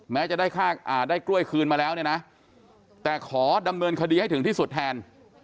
แม้จะได้กล้วยคืนมาแล้วเนี่ยนะแต่ขอดำเนินคดีให้ถึงที่สุดแทน